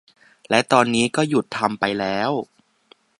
และตอนนี้ก็หยุดทำไปแล้ว